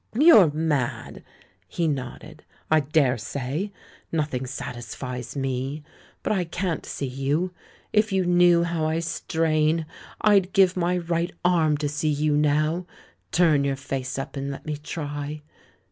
"You're mad!" He nodded. "I daresay. Nothing satisfies me. But I can't see you — if you knew how I strain! I'd give my right arm to see you now. Turn your face up, and let me try.